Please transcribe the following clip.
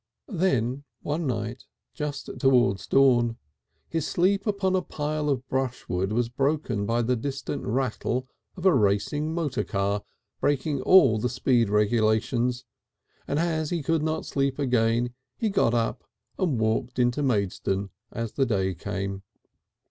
Then one night, just towards dawn, his sleep upon a pile of brushwood was broken by the distant rattle of a racing motor car breaking all the speed regulations, and as he could not sleep again, he got up and walked into Maidstone as the day came.